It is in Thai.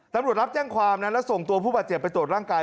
ตำรวจรับแจ้งความและส่งตัวผู้บาดเจ็บไปโดดร่างกาย